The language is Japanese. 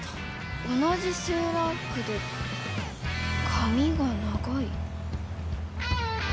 同じセーラー服で髪が長い。